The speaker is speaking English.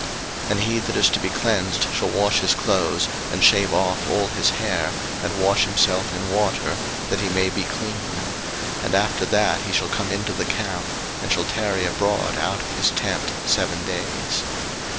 03:014:008 And he that is to be cleansed shall wash his clothes, and shave off all his hair, and wash himself in water, that he may be clean: and after that he shall come into the camp, and shall tarry abroad out of his tent seven days.